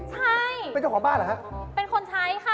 ใช่เป็นเจ้าของบ้านเหรอฮะเป็นคนใช้ค่ะ